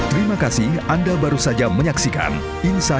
terima kasih anda baru saja menyaksikan insight indonesia